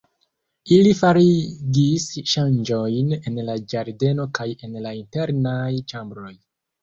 Ili farigis ŝanĝojn en la ĝardeno kaj en la internaj ĉambroj.